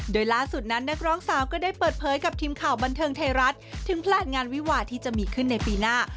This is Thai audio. โดยล่าสุดนั้นนักร้องสาวก็ได้เปิดเผยกับทีมข่าวบันเทิงไทยรัฐถึงแพลนงานวิวาที่จะมีขึ้นในปีหน้า